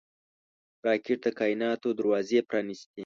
راکټ د کائناتو دروازې پرانېستي